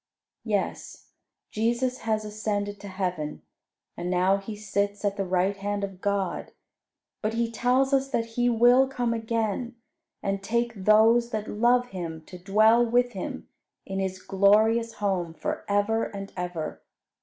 Yes, Jesus has ascended to heaven, and now He sits at the right hand of God; but He tells us that He will come again, and take those that love Him to dwell with Him in His glorious home for ever and ever.